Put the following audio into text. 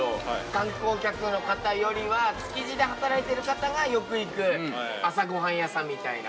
観光客の方よりは築地で働いてる方がよく行く朝ご飯屋さんみたいな。